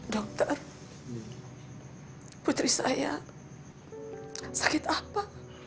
dokter putri saya sakit apa